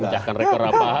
memecahkan rekor apa